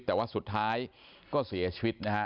แต่ว่าสุดท้ายก็เสียชีวิตนะฮะ